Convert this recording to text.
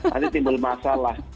nanti timbul masalah